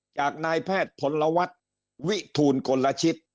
จากนายแพทย์พลวัฒน์วิทูลกลชิต